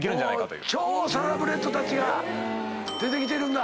超サラブレッドたちが出てきてるんだ。